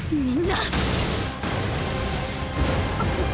みんな。